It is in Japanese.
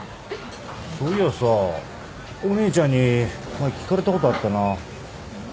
そういやさお姉ちゃんに前聞かれたことあったな。